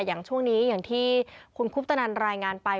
อย่างช่วงนี้อย่างที่คุณคุปตนันรายงานไป